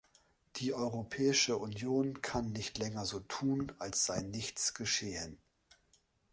Die Europäische Union kann nicht länger so tun, als sei nichts geschehen.